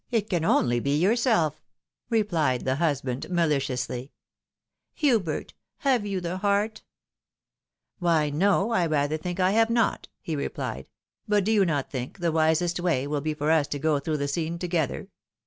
It can only be yourself," replied her husband, maliciously. 128 THE WIDOW MARRIED. " Hubert ! have you the heart ?"" Why, no, I rather think I have not," he replied. " But do you not think the wisest way will be for ua to go through the scene together